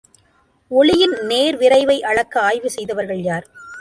ஒளியின் நேர்விரைவை அளக்க ஆய்வு செய்தவர்கள் யார்?